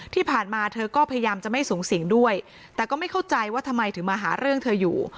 ที่ผ่านมาเธอก็พยายามจะไม่สูงสิงด้วยแต่ก็ไม่เข้าใจว่าทำไมถึงมาหาเรื่องเธออยู่